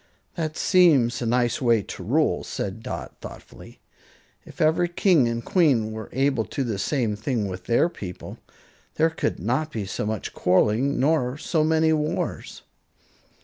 "That seems a nice way to rule," said Dot, thoughtfully. "If every king and queen were able to do the same thing with their people, there could not be so much quarreling nor so many wars."